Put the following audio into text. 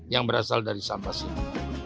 yang berasal dari sambas ini